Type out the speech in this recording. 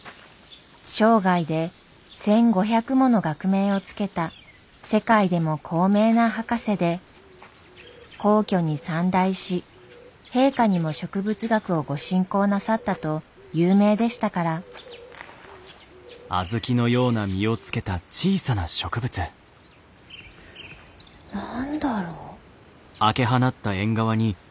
生涯で１，５００もの学名を付けた世界でも高名な博士で皇居に参内し陛下にも植物学をご進講なさったと有名でしたから何だろう？